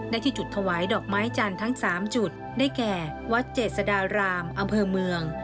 ที่จุดถวายดอกไม้จันทร์ทั้ง๓จุดได้แก่วัดเจษฎารามอำเภอเมือง